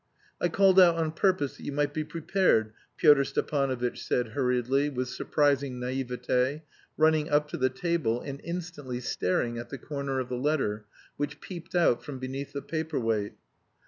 "I called out on purpose that you might be prepared," Pyotr Stepanovitch said hurriedly, with surprising naïveté, running up to the table, and instantly staring at the corner of the letter, which peeped out from beneath the paper weight.